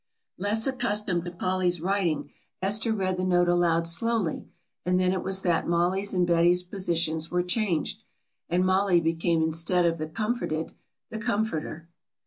Less accustomed to Polly's writing Esther read the note aloud slowly and then it was that Mollie's and Betty's positions were changed, and Mollie became instead of the comforted the comforter.